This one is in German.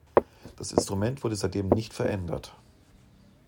Das Instrument wurde seitdem nicht verändert.